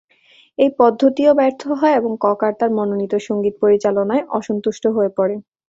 এই পদ্ধতিও ব্যর্থ হয় এবং ককার তার মনোনীত সঙ্গীত পরিচালনায় অসন্তুষ্ট হয়ে পড়েন।